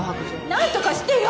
何とかしてよ！